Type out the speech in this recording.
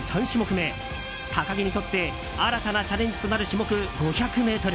３種目め高木にとって新たなチャレンジとなる種目５００ｍ。